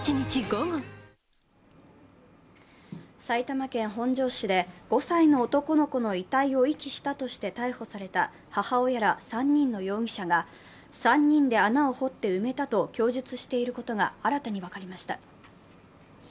埼玉県本庄市で５歳の男の子の遺体を遺棄したとして逮捕された母親ら３人の容疑者が３人で穴を掘って埋めたと供述していることが新たに分かりました。